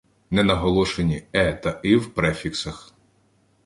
Ненаголошені е та и в префіксах